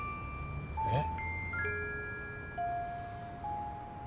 えっ。